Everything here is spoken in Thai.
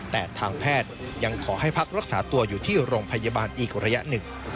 แต่ทางแพทย์ยังขอให้พักรักษาตัวอยู่ที่โรงพยาบาลอีกระยะหนึ่ง